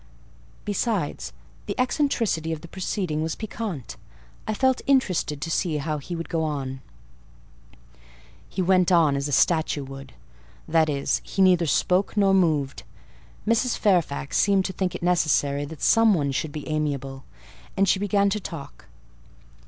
Besides, the eccentricity of the proceeding was piquant: I felt interested to see how he would go on. He went on as a statue would, that is, he neither spoke nor moved. Mrs. Fairfax seemed to think it necessary that some one should be amiable, and she began to talk.